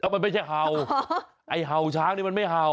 มันไม่ใช่เห่าไอ้เห่าช้างนี่มันไม่เห่า